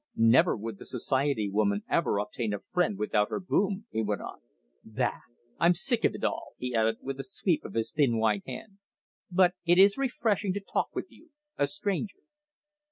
Neither would the society woman ever obtain a friend without her boom," he went on. "Bah! I'm sick of it all!" he added with a sweep of his thin white hand. "But it is refreshing to talk with you, a stranger."